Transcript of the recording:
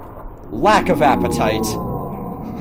Lack of appetite!